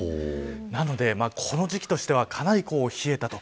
なので、この時期としてはかなり冷えたと。